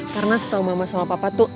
karena setau mama sama papa tuh